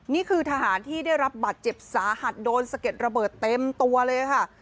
นี่คือทหารที่ได้รับบัตรเจ็บสาหัสโดนสะเก็ดระเบิดเต็มตัวเลยค่ะ